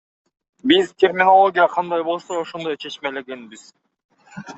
Биз терминология кандай болсо ошондой чечмелегенбиз.